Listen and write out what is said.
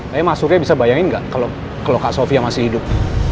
tapi mas surya bisa bayangin nggak kalau kak sofia masih hidup